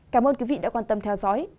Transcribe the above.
cảm ơn quý vị đã quan tâm theo dõi